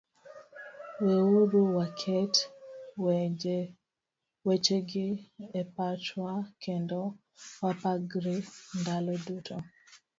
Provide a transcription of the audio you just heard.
Weuru waket wechegi e pachwa kendo wapargi ndalo duto: